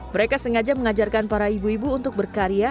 mereka sengaja mengajarkan para ibu ibu untuk berkarya